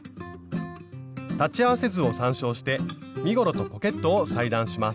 裁ち合わせ図を参照して身ごろとポケットを裁断します。